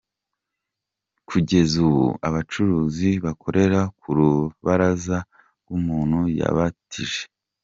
Kugeza ubu abacuruzi bakorera k’urubaraza rw’umuntu yabatije.